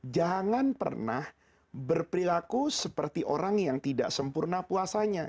jangan pernah berperilaku seperti orang yang tidak sempurna puasanya